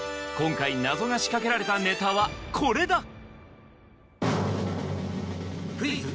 今回謎が仕掛けられたネタはこれだ